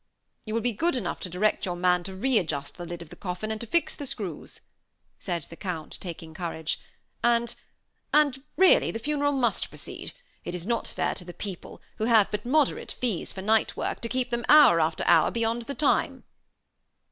"You will be good enough to direct your man to re adjust the lid of the coffin, and to fix the screws," said the Count, taking courage; "and and really the funeral must proceed. It is not fair to the people, who have but moderate fees for night work, to keep them hour after hour beyond the time."